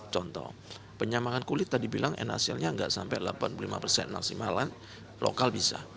contoh penyamakan kulit tadi bilang nhcl nya enggak sampai delapan puluh lima persen maksimalan lokal bisa